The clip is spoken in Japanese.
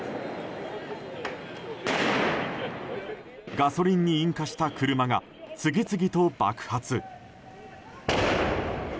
ガソリンに引火した車が次々と爆発。